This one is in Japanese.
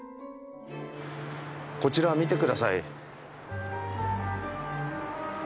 こちら見てください。